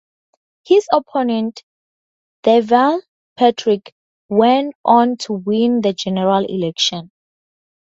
His opponent, Deval Patrick, went on to win the general election.